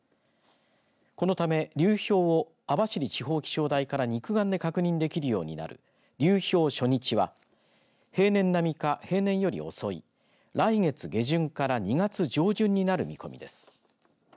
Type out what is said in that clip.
このため流氷を網走地方気象台から肉眼で確認できるようになり流氷初日は、平年並みか平年より遅い来月下旬から２月上旬になる見込みです。